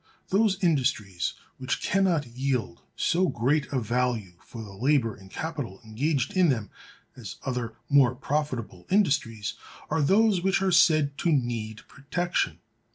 Those industries which can not yield so great a value for the labor and capital engaged in them as other more profitable industries are those which are said to "need protection."